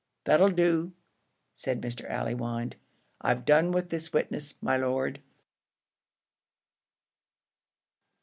"That'll do," said Mr. Allewinde. "I've done with this witness, my lord."